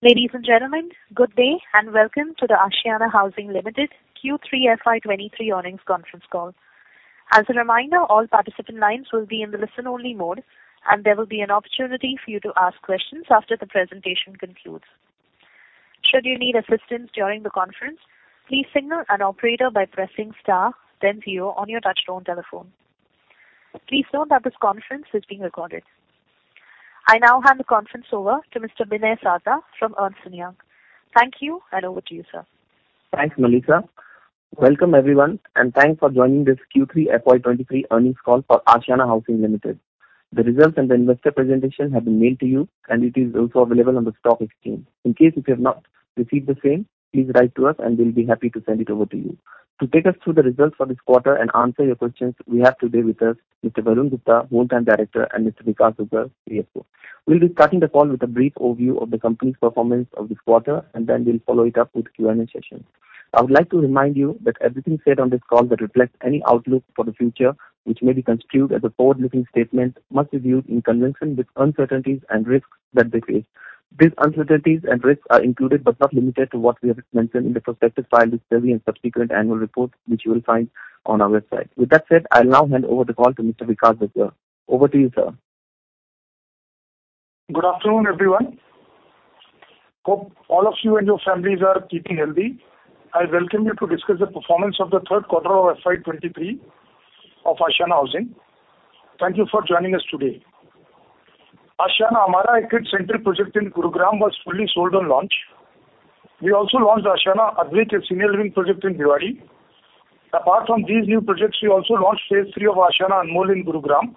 Ladies and gentlemen, good day, and welcome to the Ashiana Housing Limited Q3 FY 2023 earnings conference call. As a reminder, all participant lines will be in the listen-only mode, and there will be an opportunity for you to ask questions after the presentation concludes. Should you need assistance during the conference, please signal an operator by pressing star then zero on your touchtone telephone. Please note that this conference is being recorded. I now hand the conference over to Mr. Vinay Sarda from Ernst & Young. Thank you, and over to you, sir. Thanks, Melissa. Welcome, everyone, and thanks for joining this Q3 FY23 earnings call for Ashiana Housing Limited. The results and the investor presentation have been mailed to you, and it is also available on the stock exchange. In case you have not received the same, please write to us, and we'll be happy to send it over to you. To take us through the results for this quarter and answer your questions, we have today with us Mr. Varun Gupta, Whole Time Director, and Mr. Vikas Gupta, CFO. We'll be starting the call with a brief overview of the company's performance of this quarter, and then we'll follow it up with Q&A session. I would like to remind you that everything said on this call that reflects any outlook for the future, which may be constituted as a forward-looking statement, must be viewed in conjunction with uncertainties and risks that they face. These uncertainties and risks are included, but not limited to what we have mentioned in the prospectus filed with SEBI and subsequent annual reports, which you will find on our website. With that said, I'll now hand over the call to Mr. Vikas Gupta. Over to you, sir. Good afternoon, everyone. Hope all of you and your families are keeping healthy. I welcome you to discuss the performance of the third quarter of FY 2023 of Ashiana Housing. Thank you for joining us today. Ashiana Amara, a kid-centric project in Gurugram, was fully sold on launch. We also launched Ashiana Advik, a senior living project in Bhiwadi. Apart from these new projects, we also launched phase three of Ashiana Anmol in Gurugram,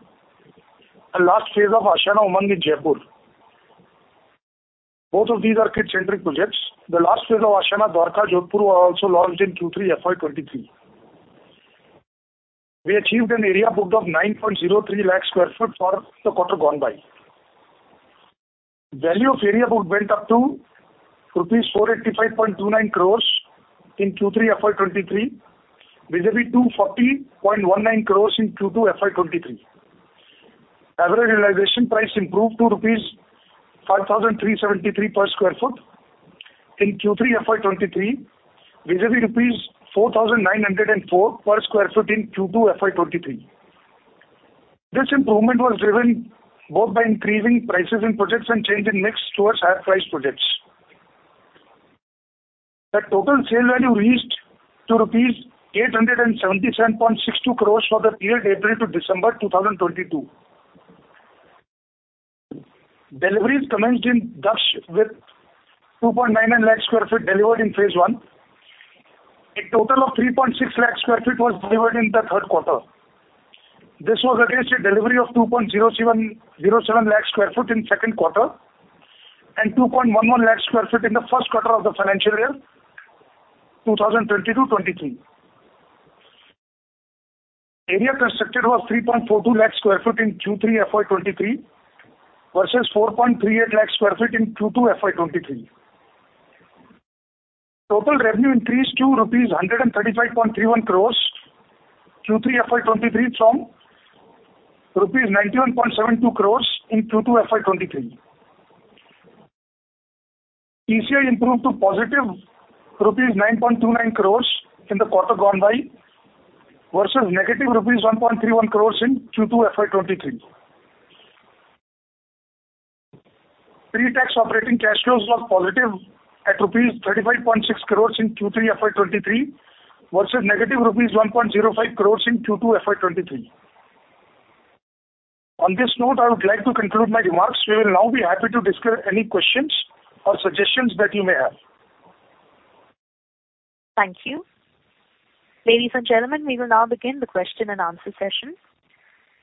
and last phase of Ashiana Umang in Jaipur. Both of these are kid-centric projects. The last phase of Ashiana Dwarka, Jodhpur, were also launched in Q3 FY 2023. We achieved an area booked of 9.03 lakh sq ft for the quarter gone by. Value of area booked went up to rupees 485.29 crores in Q3 FY 2023 vis-à-vis 240.19 crores in Q2 FY 2023. Average realization price improved to rupees 5,373 per sq ft in Q3 FY23 vis-à-vis INR 4,904 per sq ft in Q2 FY23. This improvement was driven both by increasing prices and projects, and change in mix towards higher price projects. The total sale value reached to rupees 877.62 crores for the period April to December 2022. Deliveries commenced in Daksh, with 2.99 lakh sq ft delivered in phase one. A total of 3.6 lakh sq ft was delivered in the third quarter. This was against a delivery of 2.07 lakh sq ft in second quarter, and 2.11 lakh sq ft in the first quarter of the financial year 2022-23. Area constructed was 3.42 lakh sq ft in Q3 FY 2023 versus 4.38 lakh sq ft in Q2 FY 2023. Total revenue increased to rupees 135.31 crores in Q3 FY 2023 from rupees 91.72 crores in Q2 FY 2023. PBT improved to +9.29 crores rupees in the quarter gone by, versus -1.31 crores rupees in Q2 FY 2023. Pre-tax operating cash flows was positive at rupees 35.6 crores in Q3 FY 2023, versus -1.05 crores rupees in Q2 FY 2023. On this note, I would like to conclude my remarks. We will now be happy to discuss any questions or suggestions that you may have. Thank you. Ladies and gentlemen, we will now begin the question and answer session.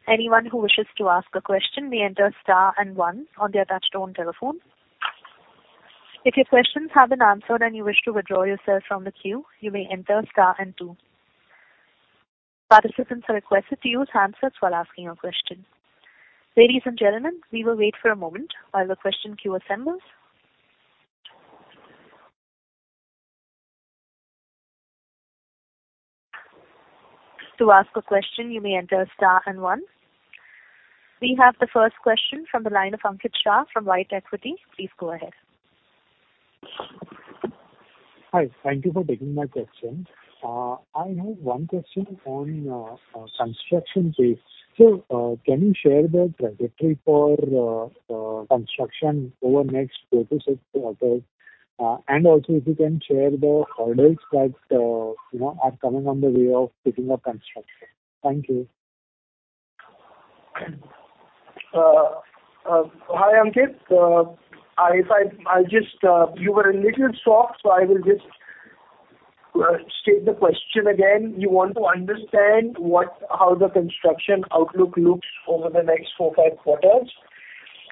Anyone who wishes to ask a question may enter star and one on their touchtone telephone. If your questions have been answered and you wish to withdraw yourself from the queue, you may enter star and two. Participants are requested to use handsets while asking a question. Ladies and gentlemen, we will wait for a moment while the question queue assembles. To ask a question, you may enter star and one. We have the first question from the line of Ankit Shah from White Equity. Please go ahead. Hi, thank you for taking my question. I have one question on construction please. So, can you share the trajectory for construction over the next 2-6 quarters? And also, if you can share the hurdles that you know are coming on the way of picking up construction. Thank you. Hi, Ankit. I'll just... You were a little soft, so I will just state the question again. You want to understand what- how the construction outlook looks over the next 4, 5 quarters,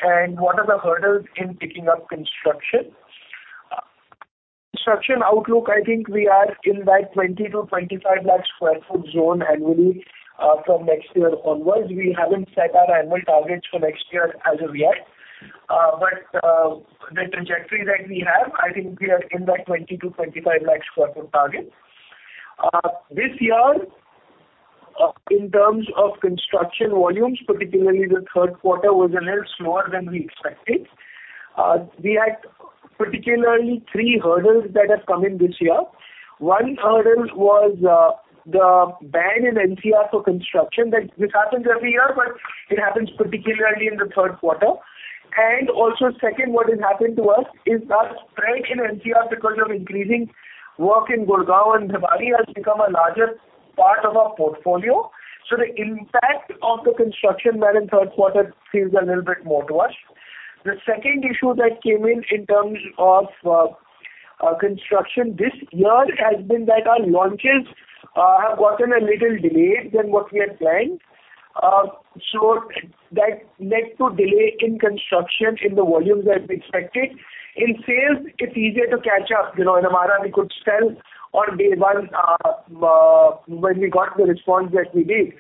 and what are the hurdles in picking up construction? Construction outlook, I think we are in that 20-25 lakh sq ft zone annually, from next year onwards. We haven't set our annual targets for next year as of yet, but, the trajectory that we have, I think we are in that 20-25 lakh sq ft target. This year-... in terms of construction volumes, particularly the third quarter was a little smaller than we expected. We had particularly 3 hurdles that have come in this year. One hurdle was, the ban in NCR for construction, that this happens every year, but it happens particularly in the third quarter. Also, second, what has happened to us is that spread in NCR because of increasing work in Gurugram and Bhiwadi has become a larger part of our portfolio. So the impact of the construction ban in third quarter feels a little bit more to us. The second issue that came in, in terms of, construction this year, has been that our launches, have gotten a little delayed than what we had planned. So that led to delay in construction in the volumes that we expected. In sales, it's easier to catch up. You know, in Amara, we could sell on day one, when we got the response that we did.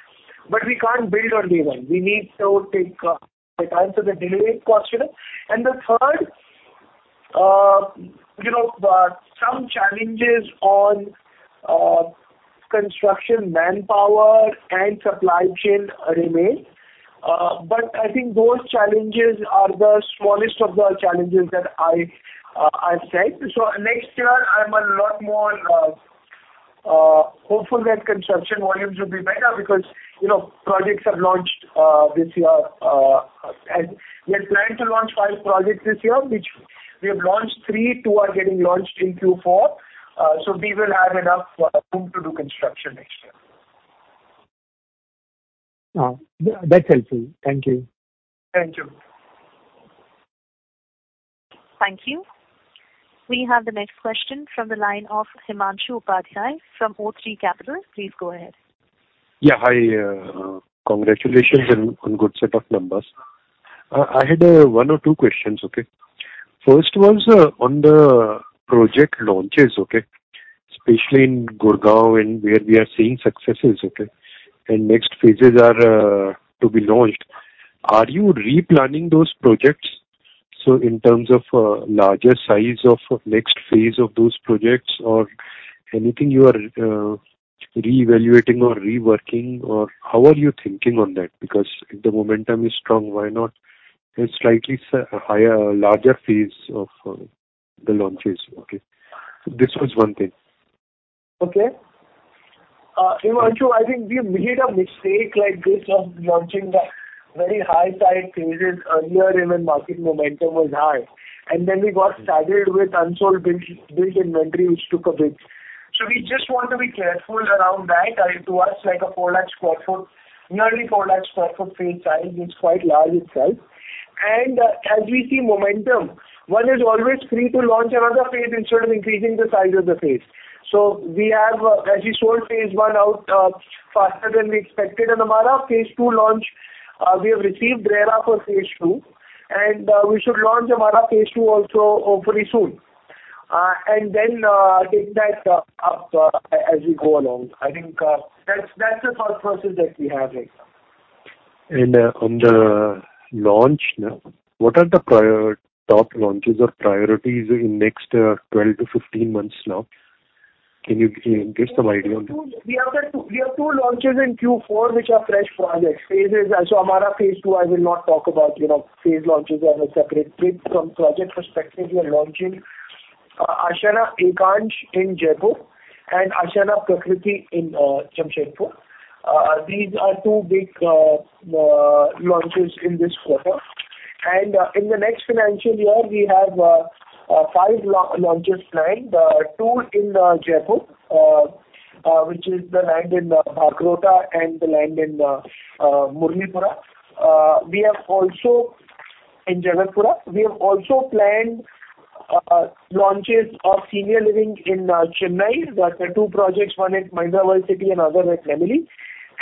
But we can't build on day one. We need to take the time, so the delay is costlier. And the third, you know, some challenges on construction, manpower and supply chain remain. But I think those challenges are the smallest of the challenges that I, I've said. So next year, I'm a lot more hopeful that construction volumes will be better, because, you know, projects are launched this year, and we are planning to launch five projects this year, which we have launched three, two are getting launched in Q4, so we will have enough room to do construction next year. That's helpful. Thank you. Thank you. Thank you. We have the next question from the line of Himanshu Upadhyay from o3 Capital. Please go ahead. Yeah, hi, congratulations on, on good set of numbers. I had, one or two questions, okay? First was, on the project launches, okay, especially in Gurgaon, and where we are seeing successes, okay? And next phases are, to be launched. Are you replanning those projects? So in terms of, larger size of next phase of those projects or anything you are, reevaluating or reworking, or how are you thinking on that? Because if the momentum is strong, why not a slightly higher, larger phase of, the launches, okay. So this was one thing. Okay. Himanshu, I think we made a mistake like this of launching the very high side phases earlier, when the market momentum was high, and then we got saddled with unsold build, built inventory, which took a bit. So we just want to be careful around that. To us, like a 4 lakh sq ft, nearly 4 lakh sq ft phase size is quite large itself. And as we see momentum, one is always free to launch another phase instead of increasing the size of the phase. So we have, as we sold phase 1 out, faster than we expected in Amara. Phase 2 launch, we have received RERA for phase 2, and we should launch Amara phase 2 also, pretty soon. And then take that up as we go along. I think, that's, that's the thought process that we have right now. On the launch, what are the prior top launches or priorities in next 12-15 months now? Can you give some idea on that? We have two, we have two launches in Q4, which are fresh projects. Phases. So Ashiana Amara phase two, I will not talk about, you know, phase launches are a separate thing. From project perspective, we are launching Ashiana Ekansh in Jaipur and Ashiana Prakriti in Jamshedpur. These are two big launches in this quarter. And in the next financial year, we have five launches planned. Two in Jaipur, which is the land in Bhankrota and the land in Murlipura. In Jagatpura. We have also planned launches of senior living in Chennai. There are two projects, one at Mahindra World City and other at Nemili.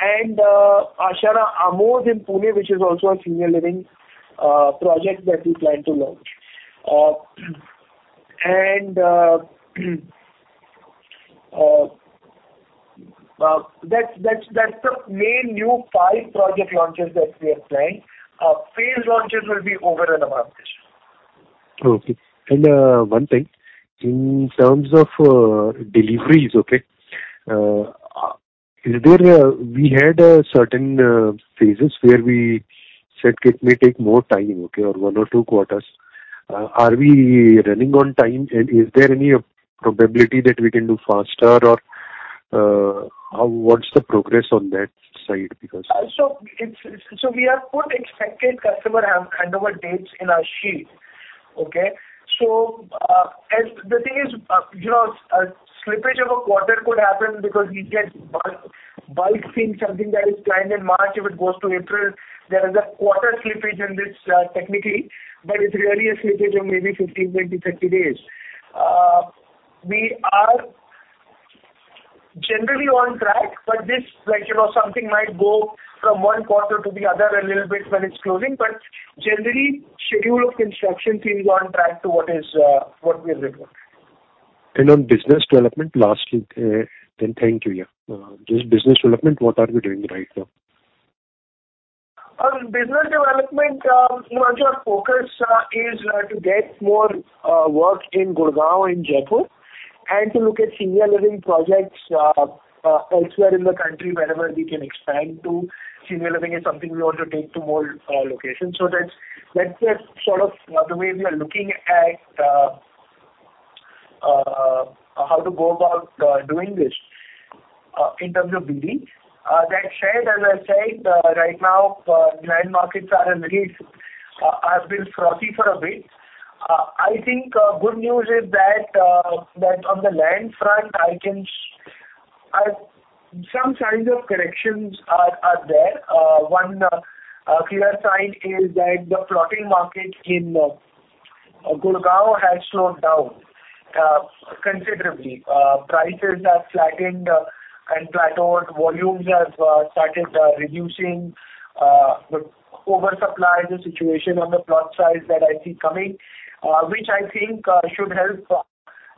And Ashiana Amodh in Pune, which is also a senior living project that we plan to launch. And that's the main new five project launches that we are planning. Phase launches will be over in Amara. Okay. And one thing, in terms of deliveries, okay, is there? We had certain phases where we said it may take more time, okay, or one or two quarters. Are we running on time? And is there any probability that we can do faster? Or, how, what's the progress on that side? Because- So it's, so we have put expected customer handover dates in our sheet, okay? So, and the thing is, you know, a slippage of a quarter could happen because we get, by seeing something that is planned in March, if it goes to April, there is a quarter slippage in this, technically, but it's really a slippage of maybe 15, 20, 30 days. We are generally on track, but this, like, you know, something might go from one quarter to the other a little bit when it's closing. But generally, schedule of construction seems on track to what is, what we have reported. On business development, lastly, then thank you, yeah. Just business development, what are we doing right now? ...On business development, you know, our focus is to get more work in Gurgaon and Jaipur, and to look at senior living projects elsewhere in the country, wherever we can expand to. Senior living is something we want to take to more locations. So that's just sort of the way we are looking at how to go about doing this in terms of BD. That said, as I said, right now land markets are a little have been frothy for a bit. I think good news is that on the land front, some signs of corrections are there. One clear sign is that the plotting market in Gurgaon has slowed down considerably. Prices have flattened and plateaued. Volumes have started reducing. The oversupply is a situation on the plot size that I see coming, which I think should help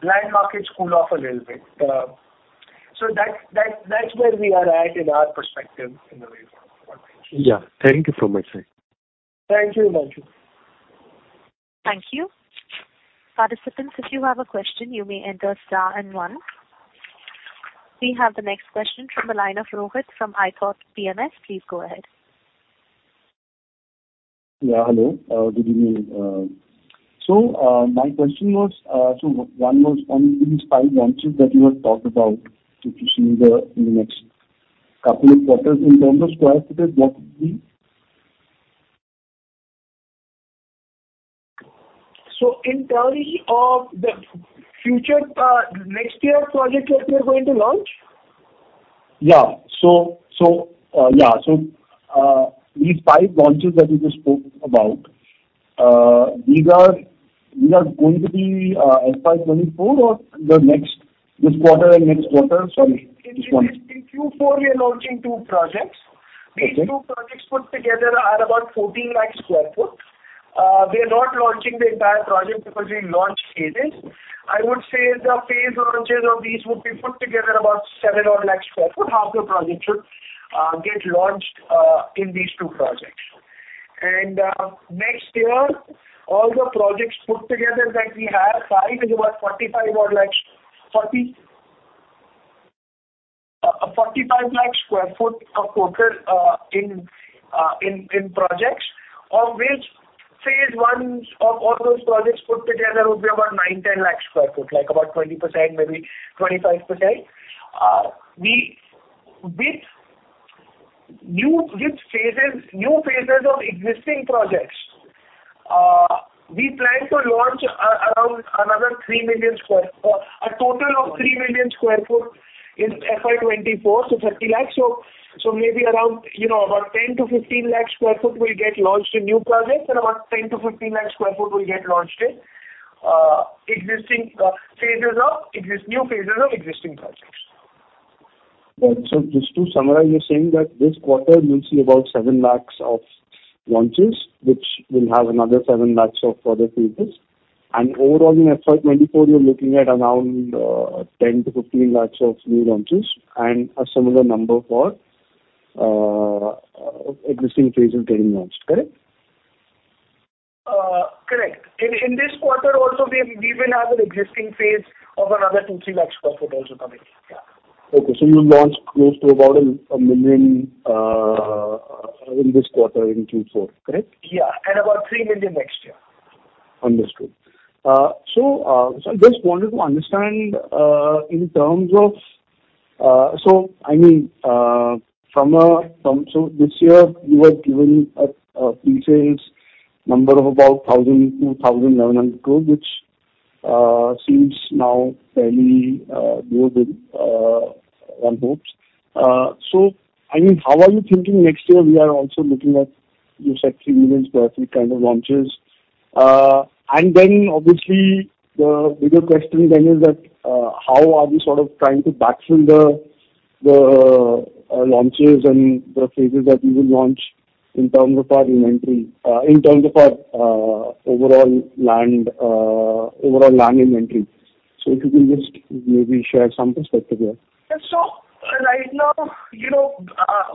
land markets cool off a little bit. So that's where we are at in our perspective, in the way forward. Yeah. Thank you so much, sir. Thank you, Himanshu. Thank you. Participants, if you have a question, you may enter star and one. We have the next question from the line of Rohit, from ICICI PMS. Please go ahead. Yeah, hello. Good evening. So, my question was, so one was on these five launches that you have talked about, which you see, in the next couple of quarters in terms of square footage, what would be? In terms of the future, next year projects that we are going to launch? Yeah. So, these 5 launches that you just spoke about, these are going to be FY 2024 or the next, this quarter and next quarter, sorry, this one. In Q4, we are launching two projects. Okay. These two projects put together are about 14 lakh sq ft. We are not launching the entire project because we launch phases. I would say the phase launches of these would be put together about seven odd lakh sq ft. Half the project should get launched in these two projects. Next year, all the projects put together that we have five is about 45 odd lakh sq ft, 45 lakh sq ft of total in projects, of which phase ones of all those projects put together would be about nine, ten lakh sq ft, like about 20%, maybe 25%. With new phases, new phases of existing projects, we plan to launch around another 3 million sq ft, a total of 3 million sq ft in FY 2024, so 30 lakh. So, maybe around, you know, about 10-15 lakh sq ft will get launched in new projects, and about 10-15 lakh sq ft will get launched in existing new phases of existing projects. Right. So just to summarize, you're saying that this quarter you'll see about 7 lakhs of launches, which will have another 7 lakhs of further phases. And overall, in FY 2024, you're looking at around 10-15 lakhs of new launches and a similar number for existing phases getting launched. Correct? Correct. In this quarter also, we will have an existing phase of another 2-3 lakh sq ft also coming. Yeah. Okay. So you'll launch close to about 1 million in this quarter, in Q4, correct? Yeah, and about 3 million next year. Understood. So, so I just wanted to understand, in terms of... So I mean, from a from. So this year you were given a pre-sales number of about 1,000 crore-1,100 crore, which seems now fairly good on hopes. So I mean, how are you thinking next year? We are also looking at, you said 3 million sq ft kind of launches. And then obviously, the bigger question then is that, how are you sort of trying to backfill the the launches and the phases that you will launch in terms of our inventory, in terms of our overall land overall land inventory? So if you can just maybe share some perspective there. So right now, you know,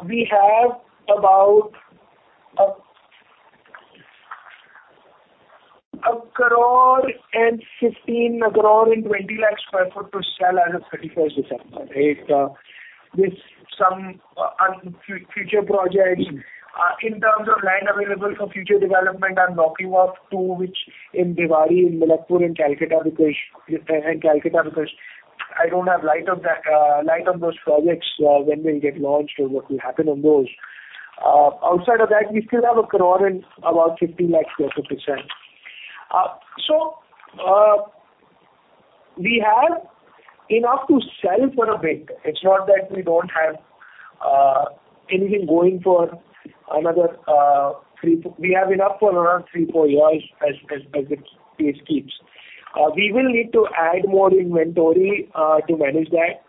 we have about a crore and 15 lakh sq ft to sell as of 31 December, right? With some future projects in terms of land available for future development not counting those which are in Bhiwadi, in Murlipura, in Kolkata, because I don't have clarity on that, clarity on those projects, when we'll get launched or what will happen on those. Outside of that, we still have a crore and about 50 lakh sq ft to sell. So we have enough to sell for a bit. It's not that we don't have anything going for another three, four. We have enough for around three, four years as the case may be. We will need to add more inventory to manage that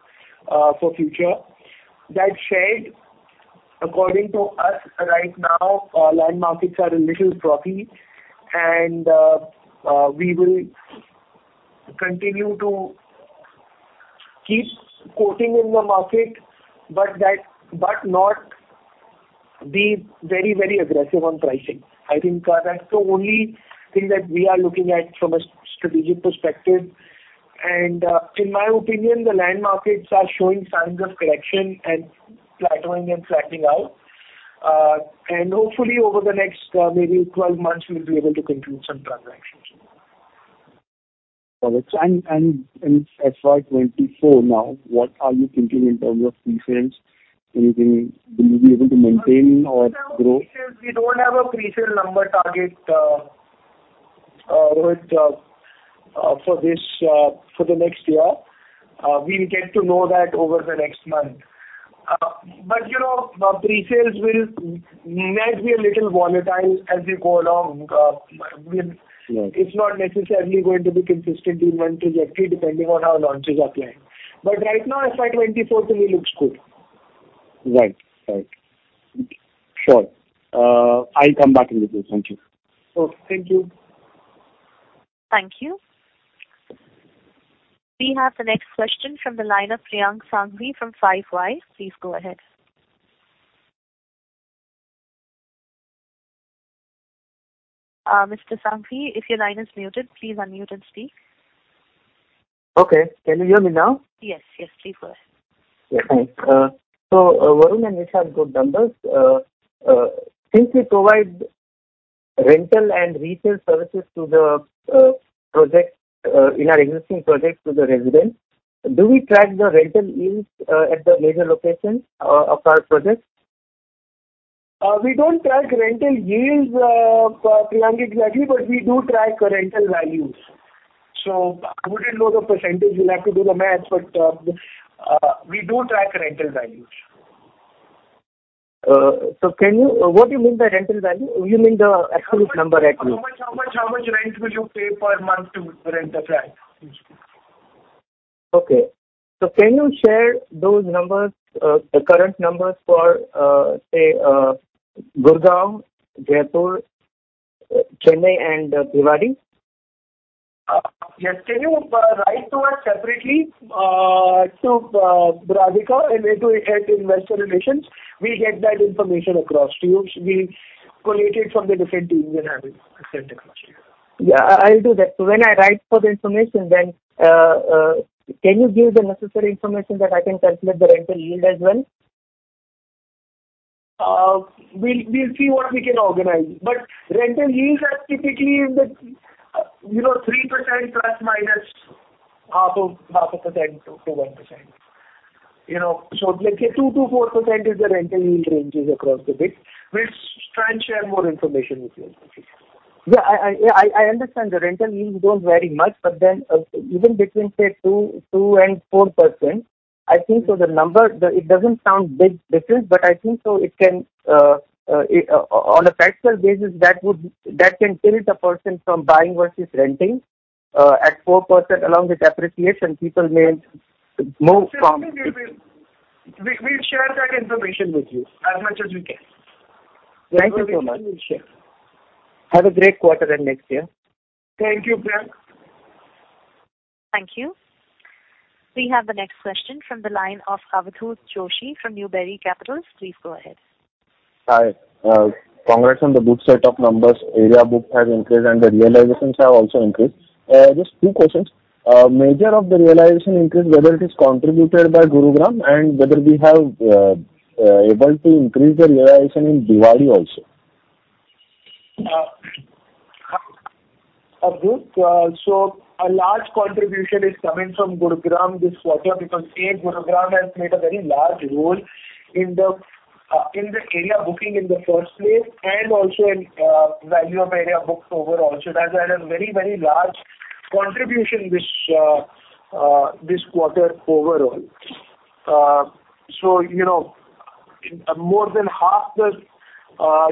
for future. That said, according to us, right now, land markets are a little frothy, and we will continue to keep quoting in the market, but not be very, very aggressive on pricing. I think that's the only thing that we are looking at from a strategic perspective, and in my opinion, the land markets are showing signs of correction and plateauing and flattening out. And hopefully, over the next, maybe 12 months, we'll be able to conclude some transactions. Got it. And FY 2024 now, what are you thinking in terms of pre-sales? Anything, will you be able to maintain or grow? We don't have a pre-sale number target for this for the next year. We'll get to know that over the next month. But, you know, pre-sales will might be a little volatile as we go along. With- Right. It's not necessarily going to be consistently one trajectory, depending on how launches are planned. But right now, FY 2024 to me looks good. Right. Right. Sure. I'll come back with you. Thank you. Okay. Thank you. Thank you. We have the next question from the line of Priyank Singhvi from 5Y Investment Partners. Please go ahead. Mr. Sanghvi, if your line is muted, please unmute and speak. Okay. Can you hear me now? Yes, yes, please go ahead. Yeah, thanks. So, Varun and Nishant, good numbers. Since we provide rental and retail services to the project in our existing projects to the residents, do we track the rental yields at the major locations of our projects? We don't track rental yields, Priyank, exactly, but we do track rental values. So I wouldn't know the percentage. You'll have to do the math, but we do track rental values. So, can you? What do you mean by rental value? You mean the absolute number at which- How much, how much, rent will you pay per month to rent a flat? Okay. So can you share those numbers, the current numbers for, say, Gurgaon, Jaipur, Chennai, and Bhiwadi? Yes. Can you write to us separately to Radhika and to Investor Relations? We'll get that information across to you. We collate it from the different teams we have across. Yeah, I'll do that. So when I write for the information, then, can you give the necessary information that I can calculate the rental yield as well? We'll, we'll see what we can organize. But rental yields are typically in the, you know, 3% ±0.5% to 1%, you know. So like 2%-4% is the rental yield ranges across the bit. We'll try and share more information with you. Yeah, I understand the rental yields don't vary much, but then, even between, say, 2%-4%, I think so the number, the, it doesn't sound big difference, but I think so it can, on a practical basis, that would, that can tilt a person from buying versus renting, at 4% along with appreciation, people may move from- We'll share that information with you as much as we can. Thank you so much. We'll share. Have a great quarter and next year. Thank you, Priyank. Thank you. We have the next question from the line of Kavit Joshi from Newberry Capital. Please go ahead. Hi. Congrats on the good set of numbers. Area book has increased, and the realizations have also increased. Just two questions: Major of the realization increase, whether it is contributed by Gurugram, and whether we have able to increase the realization in Bhiwadi also? Good. So a large contribution is coming from Gurugram this quarter, because, A, Gurugram has played a very large role in the area booking in the first place, and also in value of area booked overall. So that's had a very, very large contribution this quarter overall. So, you know, more than half the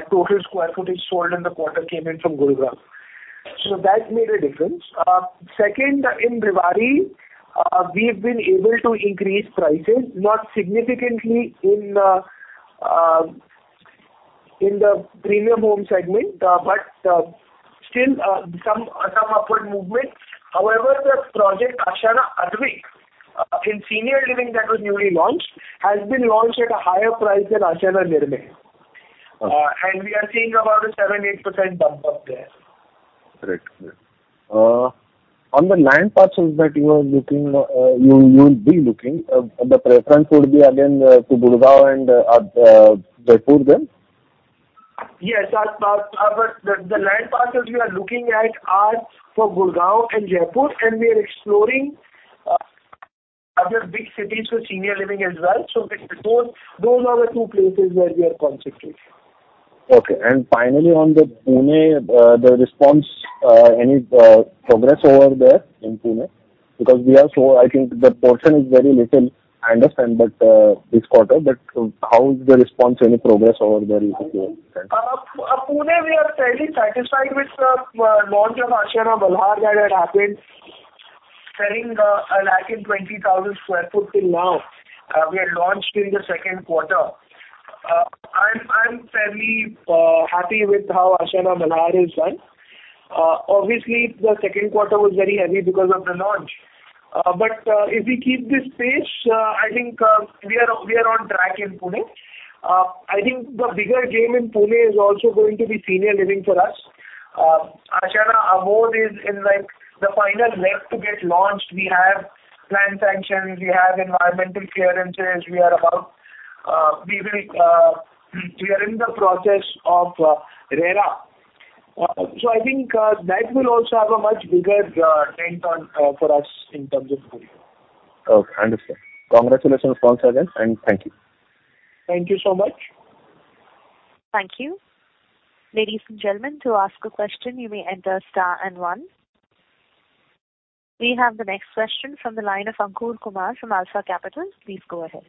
total square footage sold in the quarter came in from Gurugram, so that made a difference. Second, in Bhiwadi, we've been able to increase prices, not significantly in the premium home segment, but still, some upward movement. However, the project, Ashiana Advik, in senior living that was newly launched, has been launched at a higher price than Ashiana Nirmay. Okay. We are seeing about a 7-8% bump up there. Great. On the land parcels that you are looking, you, you'll be looking, the preference would be again, to Gurgaon and, Jaipur then? Yes, the land parcels we are looking at are for Gurgaon and Jaipur, and we are exploring other big cities for senior living as well. So those are the two places where we are concentrating. Okay. And finally, on the Pune, the response, any progress over there in Pune? Because we are so—I think the portion is very little, I understand, but this quarter, but how is the response, any progress over there if you can? Pune, we are fairly satisfied with the launch of Ashiana Malhar that had happened, selling a lakh and 20,000 sq ft till now. We had launched in the second quarter. I'm fairly happy with how Ashiana Malhar has done. Obviously, the second quarter was very heavy because of the launch. But if we keep this pace, I think we are on track in Pune. I think the bigger game in Pune is also going to be senior living for us. Ashiana Amodh is, like, in the final lap to get launched. We have plan sanctions, we have environmental clearances. We are about, we will, we are in the process of RERA. So, I think that will also have a much bigger trend on for us in terms of Pune. Okay, understand. Congratulations once again, and thank you. Thank you so much. Thank you. Ladies and gentlemen, to ask a question, you may enter star and one. We have the next question from the line of Ankur Kumar from Alpha Capital. Please go ahead.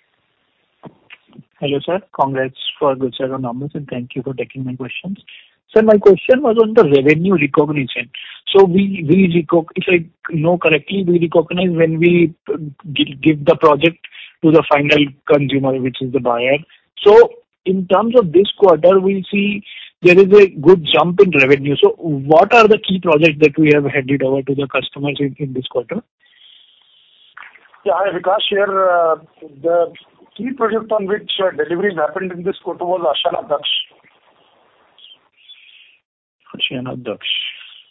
Hello, sir. Congrats for good set of numbers, and thank you for taking my questions. Sir, my question was on the revenue recognition. So we recognize, if I know correctly, when we give the project to the final consumer, which is the buyer. So in terms of this quarter, we see there is a good jump in revenue. So what are the key projects that we have handed over to the customers in this quarter? Yeah, Vikas here, the key project on which deliveries happened in this quarter was Ashiana Daksh. Ashiana Daksh.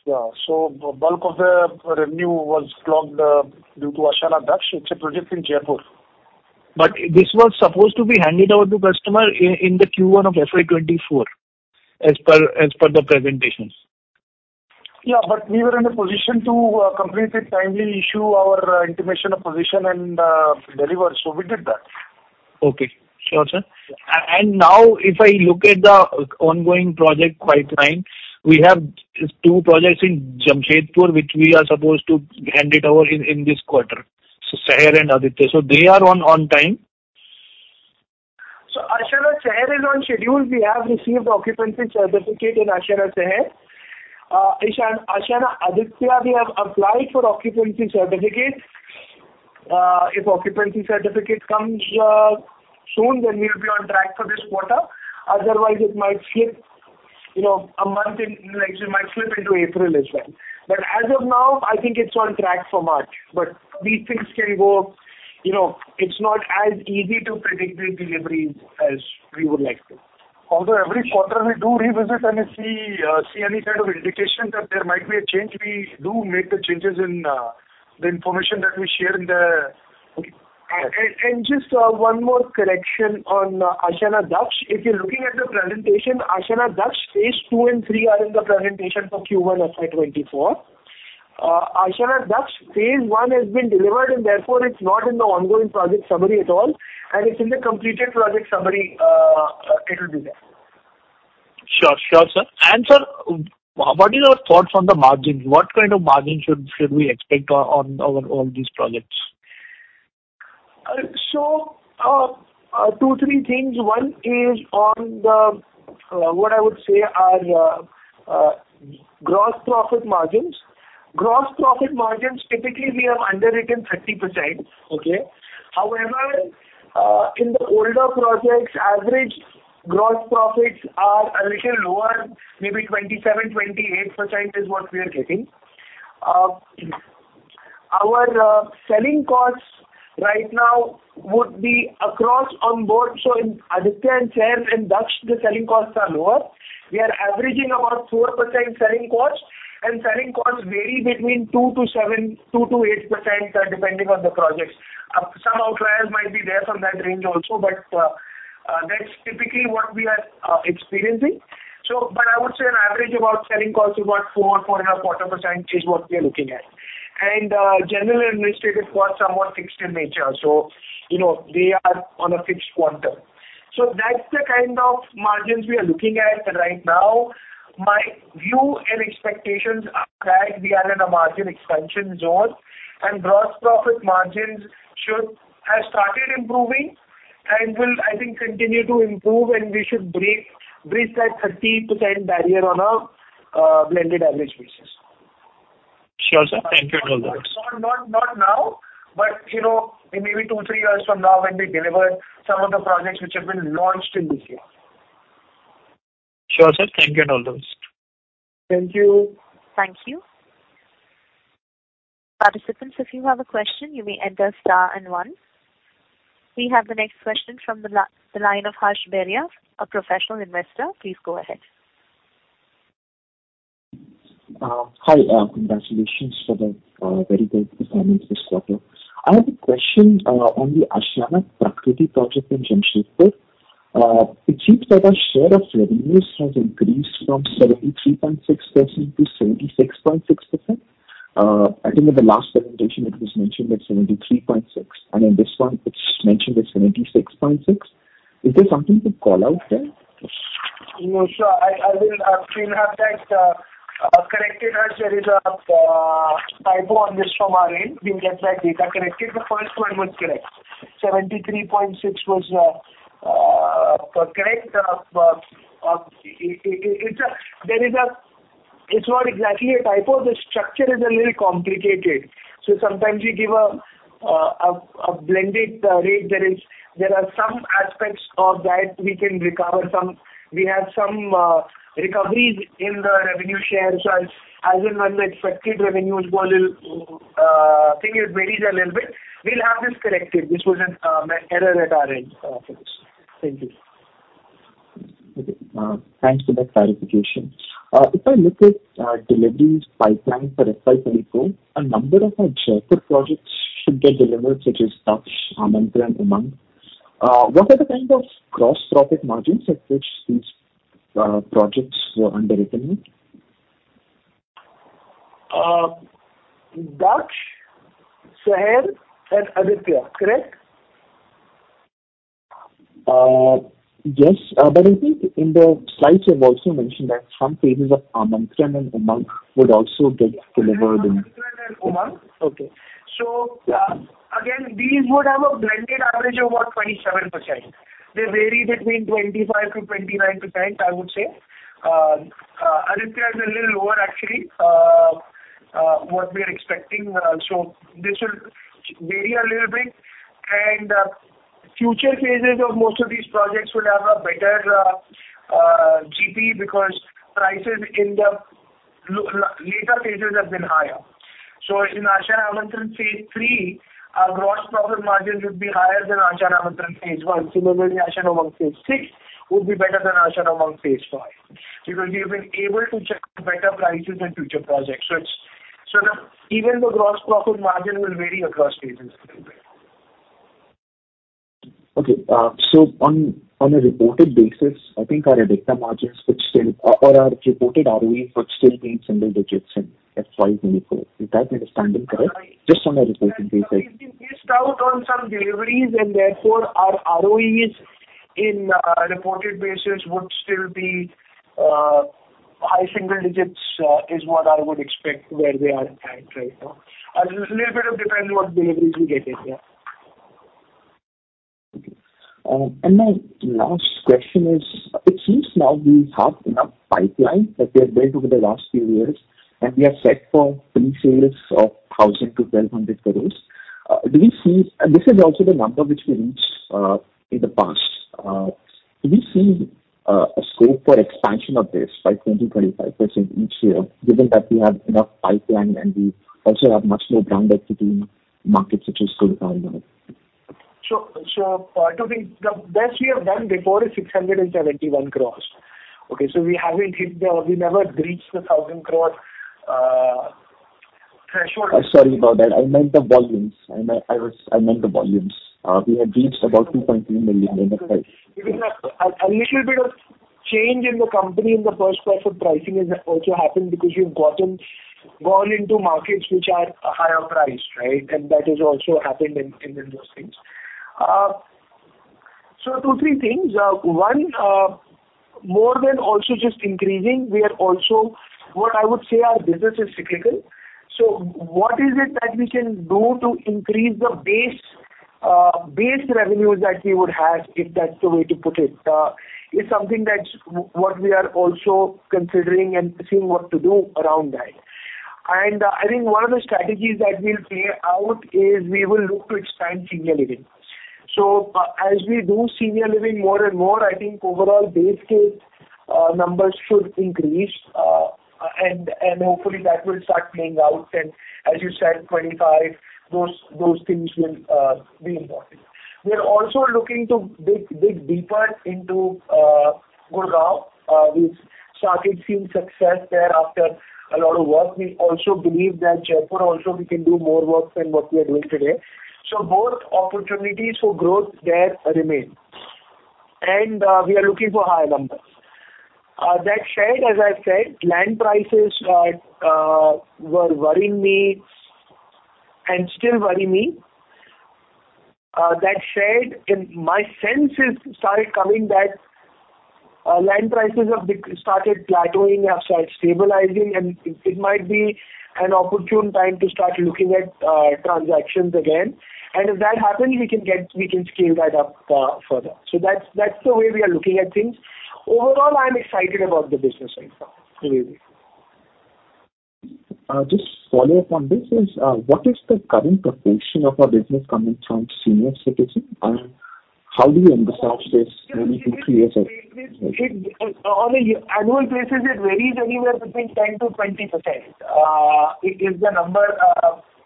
Yeah. So bulk of the revenue was clogged due to Ashiana Daksh. It's a project in Jaipur. But this was supposed to be handed over to customers in the Q1 of FY 2024, as per, as per the presentations. Yeah, but we were in a position to complete it timely, issue our intimation of position and deliver, so we did that. Okay. Sure, sir. And now, if I look at the ongoing project pipeline, we have two projects in Jamshedpur, which we are supposed to hand it over in this quarter, so Seher and Aditya. So they are on time? So Ashiana Seher is on schedule. We have received occupancy certificate in Ashiana Seher. Ashiana Aditya, we have applied for occupancy certificate. If occupancy certificate comes soon, then we will be on track for this quarter. Otherwise, it might slip, you know, a month in, like, it might slip into April as well. But as of now, I think it's on track for March. But these things can go... You know, it's not as easy to predict the deliveries as we would like to. Although every quarter we do revisit and if we see any kind of indication that there might be a change, we do make the changes in the information that we share in the- Okay. Just, one more correction on Ashiana Daksh. If you're looking at the presentation, Ashiana Daksh, phase 2 and 3 are in the presentation for Q1 FY 2024. Ashiana Daksh, phase 1 has been delivered, and therefore, it's not in the ongoing project summary at all, and it's in the completed project summary, it will be there. Sure. Sure, sir. And sir, what is your thoughts on the margins? What kind of margin should we expect on all these projects? So, 2, 3 things. One is on the, what I would say are, gross profit margins. Gross profit margins, typically, we have underwritten 30%, okay? However, in the older projects, average gross profits are a little lower, maybe 27-28% is what we are getting. Our selling costs right now would be across the board. So in Aditya and Seher and Daksh, the selling costs are lower. We are averaging about 4% selling costs, and selling costs vary between 2-7, 2-8%, depending on the projects. Some outliers might be there from that range also, but, that's typically what we are experiencing. So. But I would say on average, about selling costs, about 4, 4 and a half quarter percent is what we are looking at. General administrative costs are more fixed in nature, so, you know, they are on a fixed quantum. So that's the kind of margins we are looking at right now. My view and expectations are that we are in a margin expansion zone, and gross profit margins should have started improving and will, I think, continue to improve, and we should break that 30% barrier on a blended average basis. Sure, sir. Thank you and all the best. Not now, but, you know, in maybe two, three years from now, when we deliver some of the projects which have been launched in this year. Sure, sir. Thank you and all the best. Thank you. Thank you. Participants, if you have a question, you may enter star and one. We have the next question from the line of Harsh Beria, a professional investor. Please go ahead. Hi. Congratulations for the very good performance this quarter. I have a question on the Ashiana Prakriti project in Jamshedpur. It seems that our share of revenues has increased from 73.6% to 76.6%. I think in the last presentation, it was mentioned that 73.6, and in this one it's mentioned as 76.6. Is there something to call out there? No, sir, I will, we'll have that corrected as there is a typo on this from our end. We'll get that data corrected. The first one was correct. 73.6 was correct. It's not exactly a typo, the structure is a little complicated, so sometimes we give a blended rate. There are some aspects of that we can recover some. We have some recoveries in the revenue share. So as in when the expected revenues go a little thing, it varies a little bit. We'll have this corrected. This was an error at our end, for this. Thank you. Okay, thanks for that clarification. If I look at deliveries pipeline for FY 2024, a number of our Jaipur projects should get delivered, such as Daksh, Amantran, and Umang. What are the kind of gross profit margins at which these projects were underwritten? Daksh, Seher, and Aditya, correct? But I think in the slides you've also mentioned that some phases of Amantran and Umang would also get delivered in- Amantran and Umang. Okay. So, again, these would have a blended average of about 27%. They vary between 25%-29%, I would say. Aditya is a little lower actually, what we are expecting. So this will vary a little bit, and future phases of most of these projects will have a better GP, because prices in the later phases have been higher. So in Ashiana Amantran phase three, our gross profit margin would be higher than Ashiana Amantran phase one. Similarly, Ashiana Umang phase six would be better than Ashiana Umang phase five, because we've been able to check better prices in future projects. So it's. So the even the gross profit margin will vary across phases a little bit. Okay. So on a reported basis, I think our EBITDA margins would still... Or our reported ROE would still be in single digits in FY 2024. Is that understanding correct? Just on a reported basis. We've been missed out on some deliveries, and therefore, our ROEs in a reported basis would still be high single digits, is what I would expect, where they are at right now. A little bit of depending what deliveries we get in, yeah. Okay. And my last question is, it seems now we have enough pipeline that we have built over the last few years, and we are set for pre-sales of 1,000 crores-1,200 crores. Do we see? And this is also the number which we reached in the past. Do we see a scope for expansion of this by 20%-35% each year, given that we have enough pipeline and we also have much more brand equity in markets such as Gurgaon now? Two things. The best we have done before is 671 crore. Okay, so we haven't hit the, we never reached the 1,000 crore threshold. Sorry about that. I meant the volumes. I meant the volumes. We had reached about 2.3 million in the past. A little bit of change in the company in the first quarter pricing has also happened because you've gone into markets which are higher priced, right? And that has also happened in those things. So two, three things. One, more than also just increasing, we are also... What I would say, our business is cyclical. So what is it that we can do to increase the base, base revenues that we would have, if that's the way to put it? It's something that's what we are also considering and seeing what to do around that. And, I think one of the strategies that will play out is we will look to expand senior living. So as we do senior living more and more, I think overall base case, numbers should increase. And hopefully, that will start playing out. And as you said, 25, those things will be important. We are also looking to dig deeper into Gurugram. We've started seeing success there after a lot of work. We also believe that Jaipur also, we can do more work than what we are doing today. So both opportunities for growth there remain. And we are looking for higher numbers. That said, as I've said, land prices were worrying me and still worry me. That said, and my sense is started coming that land prices have started plateauing, have started stabilizing, and it might be an opportune time to start looking at transactions again. And if that happens, we can scale that up further. That's, that's the way we are looking at things. Overall, I'm excited about the business right now, really. Just follow up on this is, what is the current proportion of our business coming from senior living, and how do you envisage this maybe two, three years out? It, on a yearly basis, it varies anywhere between 10%-20%. It is the number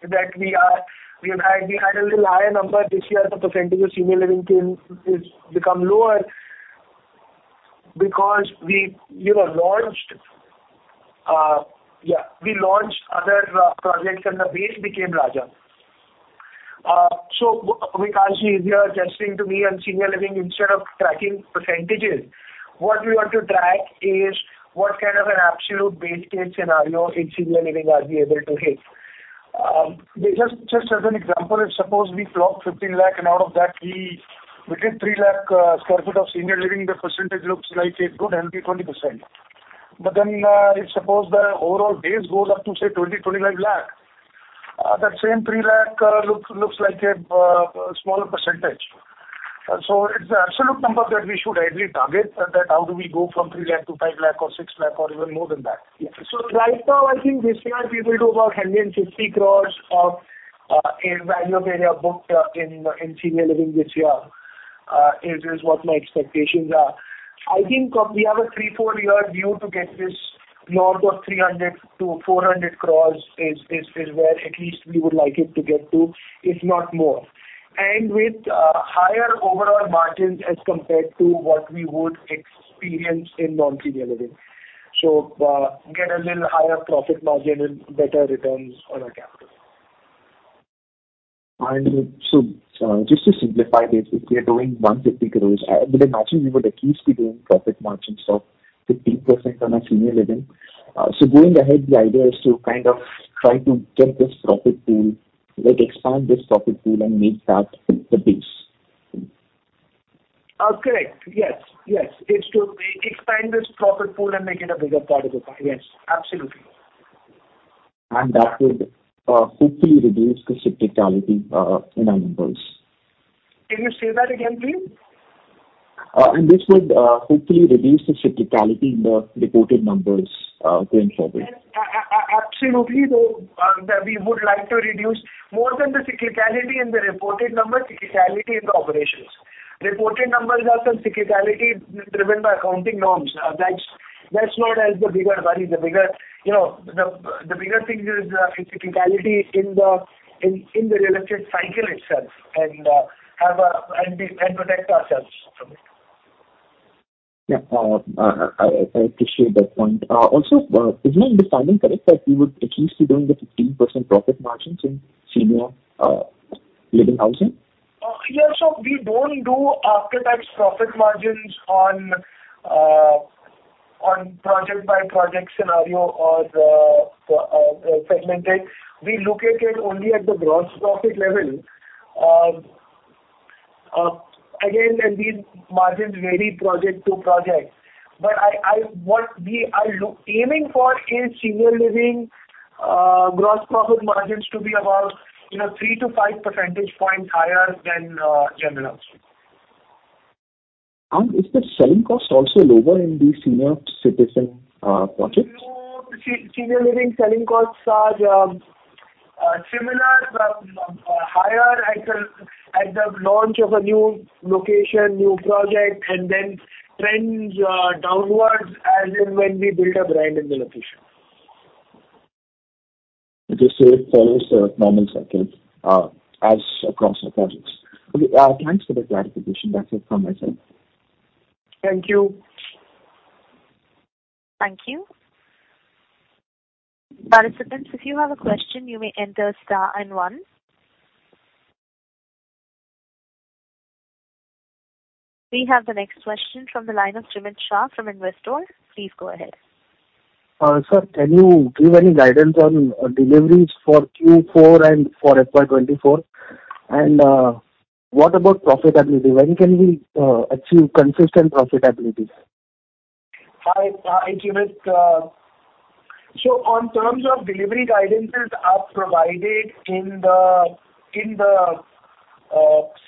that we are. We had, we had a little higher number this year. The percentage of senior living team is become lower because we, you know, launched, yeah, we launched other projects, and the base became larger. So Vikas, he is here suggesting to me on senior living, instead of tracking percentages, what we want to track is what kind of an absolute base case scenario in senior living are we able to hit. Just, just as an example, if suppose we plot 15 lakh, and out of that, we did 3 lakh sq ft of senior living, the percentage looks like a good, healthy 20%. But then, if suppose the overall base goes up to, say, 20-25 lakh, that same 3 lakh looks like a smaller percentage... So it's the absolute number that we should ideally target, that how do we go from 3 lakh to 5 lakh or 6 lakh or even more than that? So right now, I think this year we will do about 150 crores in value of area booked in senior living this year is what my expectations are. I think we have a 3-4-year view to get this north of 300-400 crores is where at least we would like it to get to, if not more. And with higher overall margins as compared to what we would experience in non-senior living. Get a little higher profit margin and better returns on our capital. And so, just to simplify this, if we are doing 150 crore, I would imagine we would at least be doing profit margins of 50% on our senior living. So going ahead, the idea is to kind of try to get this profit pool, like, expand this profit pool and make that the base? Correct. Yes, yes. It's to expand this profit pool and make it a bigger part of the pie. Yes, absolutely. And that would hopefully reduce the cyclicality in our numbers. Can you say that again, please? This would hopefully reduce the cyclicality in the reported numbers going forward. Absolutely, though, we would like to reduce more than the cyclicality in the reported numbers, cyclicality in the operations. Reported numbers are some cyclicality driven by accounting norms. That's not as the bigger worry. The bigger, you know, the bigger thing is the cyclicality in the real estate cycle itself, and protect ourselves from it. Yeah. I appreciate that point. Also, is my understanding correct, that we would at least be doing the 15% profit margins in senior living housing? Yes. So we don't do after-tax profit margins on project-by-project scenario or segmented. We look at it only at the gross profit level. Again, and these margins vary project to project, but what we are aiming for is senior living gross profit margins to be about, you know, 3-5 percentage points higher than general. Is the selling cost also lower in the senior citizen projects? No. Senior Living selling costs are similar, but higher at the launch of a new location, new project, and then trends downwards as and when we build a brand in the location. Just so it follows a normal cycle, as across the projects. Okay, thanks for the clarification. That's it from my side. Thank you. Thank you. Participants, if you have a question, you may enter star and one. We have the next question from the line of Jimit Shah from Investore. Please go ahead. Sir, can you give any guidance on deliveries for Q4 and for FY 2024? And, what about profitability? When can we achieve consistent profitability? Hi, Jimit. So on terms of delivery, guidances are provided in the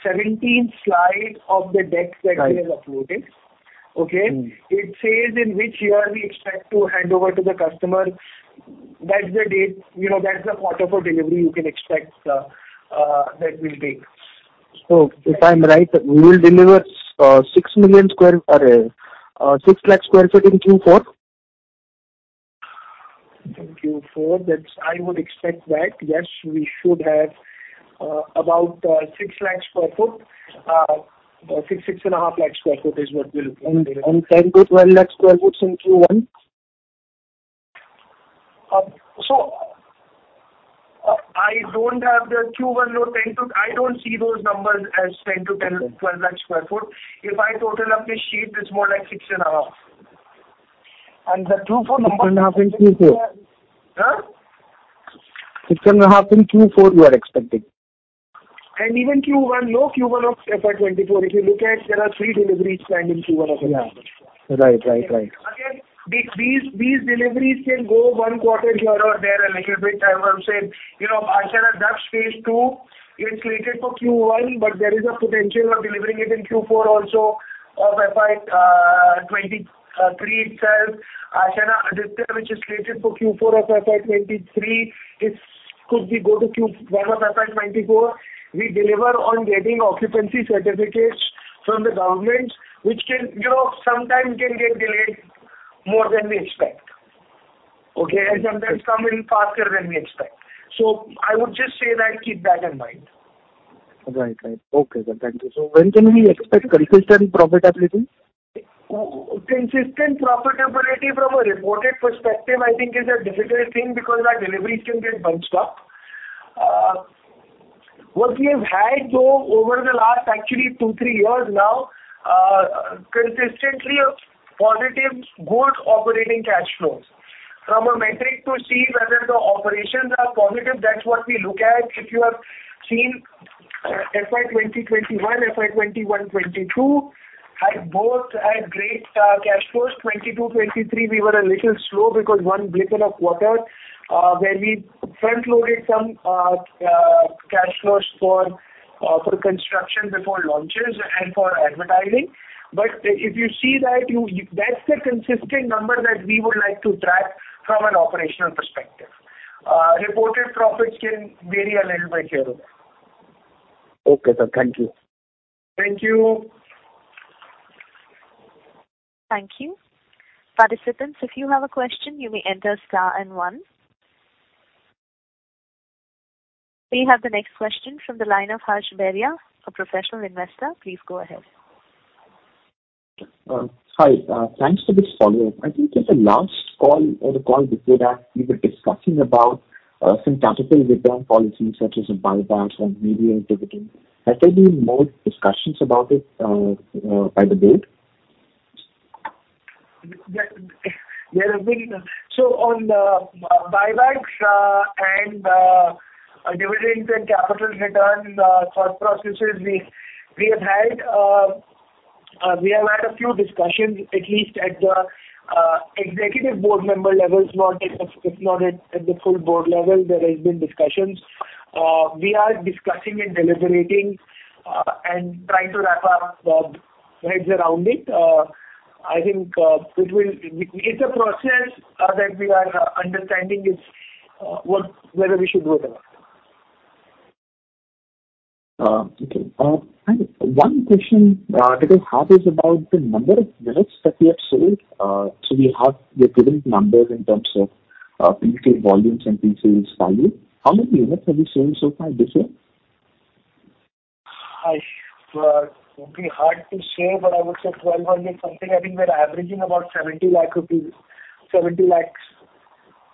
seventeenth slide of the deck. Right. that we have uploaded. Okay? It says in which year we expect to hand over to the customer. That's the date, you know, that's the quarter for delivery you can expect, that will take. So if I'm right, we will deliver 6 million sq ft or 6 lakh sq ft in Q4? In Q4, that's... I would expect that, yes, we should have about 6 lakhs per foot. 6, 6.5 lakh sq ft is what we'll deliver. 1,000,000-1,200,000 sq ft in Q1? So, I don't have the Q1 or 10 to 10. I don't see those numbers as 10 to 10, 12 lakh sq ft. If I total up this sheet, it's more like 6.5. And the Q4 number- 6.5 in Q4. 6.5 in Q4 you are expecting. Even Q1, no, Q1 of FY 2024, if you look at, there are three deliveries planned in Q1 of FY 2024. Yeah. Right, right, right. Again, these deliveries can go one quarter here or there, a little bit, as I'm saying. You know, Ashiana Daksh phase two, it's slated for Q1, but there is a potential of delivering it in Q4 also of FY 2023 itself. Ashiana Aditya, which is slated for Q4 of FY 2023, it could go to Q1 of FY 2024. We deliver on getting occupancy certificates from the government, which can, you know, sometimes can get delayed more than we expect, okay? And sometimes come in faster than we expect. So I would just say that, keep that in mind. Right, right. Okay, sir, thank you. So when can we expect consistent profitability? Consistent profitability from a reported perspective, I think is a difficult thing because our deliveries can get bunched up. What we have had, though, over the last actually 2-3 years now, consistently a positive, good operating cash flows. From a metric to see whether the operations are positive, that's what we look at. If you have seen FY 2021, FY 21, 22—had both had great cash flows. 2022, 2023, we were a little slow because one blip in a quarter, where we front-loaded some cash flows for construction before launches and for advertising. But if you see that, that's the consistent number that we would like to track from an operational perspective. Reported profits can vary a little by here or there. Okay, sir. Thank you. Thank you. Thank you. Participants, if you have a question, you may enter star and one. We have the next question from the line of Harsh Beria, a professional investor. Please go ahead. Hi, thanks for this follow-up. I think in the last call or the call before that, you were discussing about some capital return policies, such as buybacks and maybe dividends. Has there been more discussions about it by the board? So on the buybacks and dividends and capital return thought processes, we have had a few discussions, at least at the executive board member levels, not at, if not at, the full board level. There have been discussions. We are discussing and deliberating and trying to wrap our heads around it. I think it will... It's a process that we are understanding it, whether we should do it or not. Okay. And one question that I have is about the number of units that we have sold. So we have the current numbers in terms of pre-book volumes and pre-sales value. How many units have you sold so far this year? I, it would be hard to say, but I would say 1,200 something. I think we're averaging about 70 lakh rupees, 70 lakhs,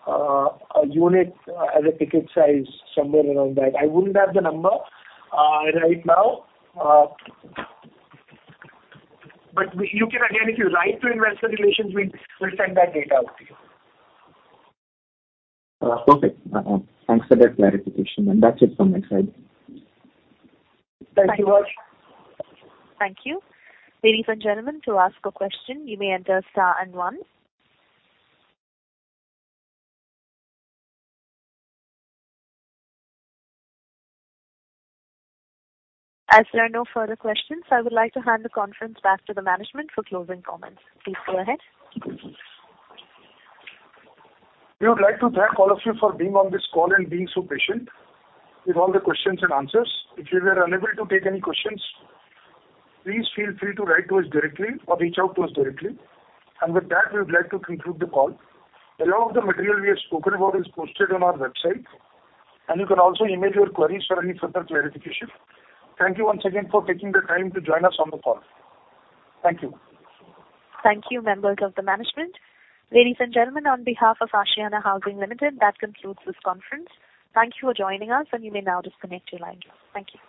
a unit as a ticket size, somewhere around that. I wouldn't have the number right now, but you can, again, if you write to investor relations, we will send that data out to you. Perfect. Thanks for that clarification, and that's it from my side. Thank you, Harsh. Thank you. Ladies and gentlemen, to ask a question, you may enter star and one. As there are no further questions, I would like to hand the conference back to the management for closing comments. Please go ahead. We would like to thank all of you for being on this call and being so patient with all the questions and answers. If we were unable to take any questions, please feel free to write to us directly or reach out to us directly. With that, we would like to conclude the call. A lot of the material we have spoken about is posted on our website, and you can also email your queries for any further clarification. Thank you once again for taking the time to join us on the call. Thank you. Thank you, members of the management. Ladies and gentlemen, on behalf of Ashiana Housing Limited, that concludes this conference. Thank you for joining us, and you may now disconnect your line. Thank you.